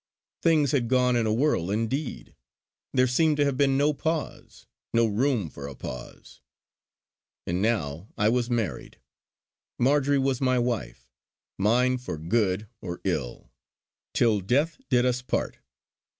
Things had gone in a whirl indeed. There seemed to have been no pause; no room for a pause. And now I was married. Marjory was my wife; mine for good or ill, till death did us part.